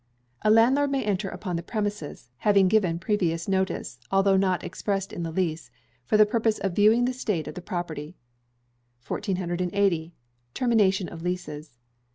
A landlord may enter upon the premises (having given previous notice, although not expressed in the lease), for the purpose of viewing the state of the property. 1480. Termination of Leases.